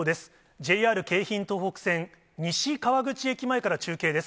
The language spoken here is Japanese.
ＪＲ京浜東北線西川口駅前から中継です。